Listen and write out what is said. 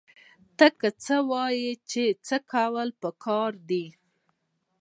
ته څه وايې چې څه کول پکار دي؟